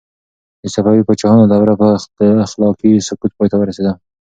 د صفوي پاچاهانو دوره په اخلاقي سقوط پای ته ورسېده.